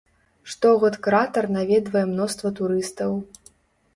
Штогод кратар наведвае мноства турыстаў.